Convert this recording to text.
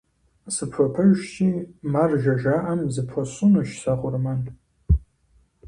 Сыпхуэпэжщи, «маржэ» жаӀэм, зыпхуэсщӀынущ сэ къурмэн.